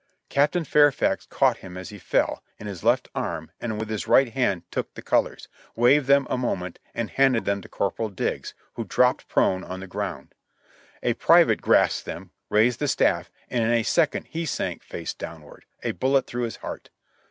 Capt. Fairfax caught him as he fell, in his left arm, and with his right hand took the colors, waved them a moment, and handed them to Corporal Digges, who dropped prone on the ground. A private grasped them, raised the staft, and in a second he sank face downward, a bullet through his heart.